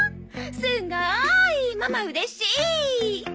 すごいママうれしい！